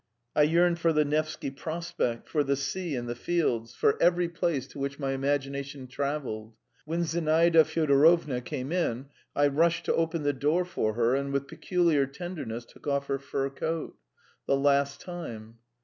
I yearned for the Nevsky Prospect, for the sea and the fields for every place to which my imagination travelled. When Zinaida Fyodorovna came in, I rushed to open the door for her, and with peculiar tenderness took off her fur coat. The last time!